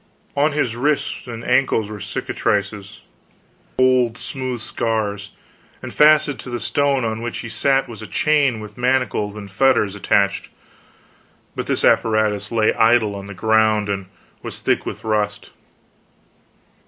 On his wrists and ankles were cicatrices, old smooth scars, and fastened to the stone on which he sat was a chain with manacles and fetters attached; but this apparatus lay idle on the ground, and was thick with rust.